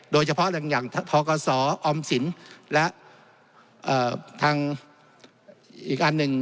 โดยเฉพาะอย่างทกศออมสินและทางอีกอันหนึ่ง